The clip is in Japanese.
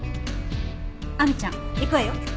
亜美ちゃん行くわよ。